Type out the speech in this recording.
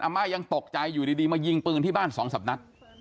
มายังตกใจอยู่ดีมายิงปืนที่บ้านสองสำนัก